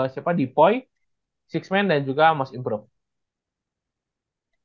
siapa depoy enam man dan juga most improved